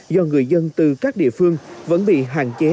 do người dân từ các địa phương vẫn bị hạn chế